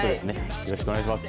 よろしくお願いします。